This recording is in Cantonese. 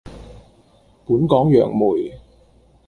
本港楊梅